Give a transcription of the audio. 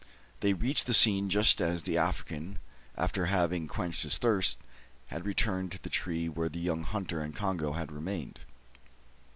They reached the scene just as the African, after having quenched his thirst, had returned to the tree where the young hunter and Congo had remained.